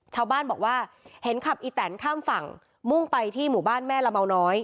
ชาวบ้านบอกว่าเห็นขับอีแตนข้ามฝั่งมุ่งไปที่หมู่บ้านแม่ละเมาน้อย